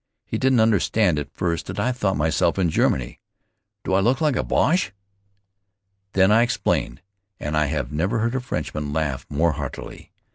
He didn't understand at first that I thought myself in Germany. "Do I look like a Boche?" Then I explained, and I have never heard a Frenchman laugh more heartily.